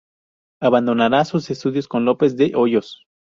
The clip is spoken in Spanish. Abandonara sus estudios con López de Hoyos.